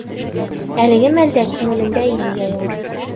Әлеге мәлдә күңелендә ине йәйғор.